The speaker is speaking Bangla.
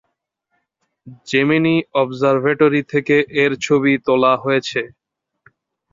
জেমিনি অবজারভেটরি থেকে এর ছবি তোলা হয়েছে।